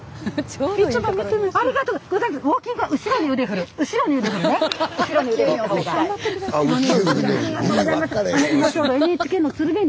ありがとうございます！